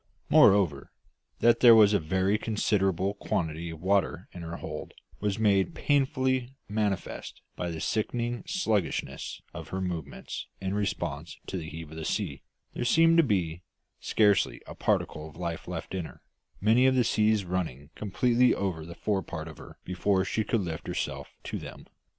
Moreover, that there was a very considerable quantity of water in her hold was made painfully manifest by the sickening sluggishness of her movements in response to the heave of the sea; there seemed to be scarcely a particle of life left in her, many of the seas running completely over the forepart of her before she could lift herself to them.